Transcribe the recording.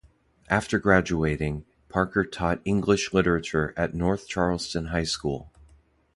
After graduating, Parker taught English Literature at North Charleston High School.